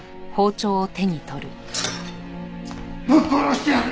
ぶっ殺してやる！